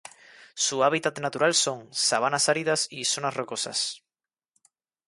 Su hábitat natural son: sabanas áridas y zonas rocosas.